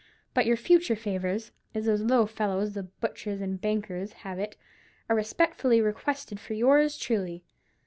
But your future favours—as those low fellows, the butchers and bakers, have it—are respectfully requested for yours truly.